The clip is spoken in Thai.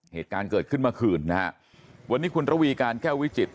เหตุการณ์เกิดขึ้นเมื่อคืนนะฮะวันนี้คุณระวีการแก้ววิจิต